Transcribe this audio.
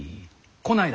こないだ